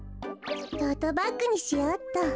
トートバッグにしようっと。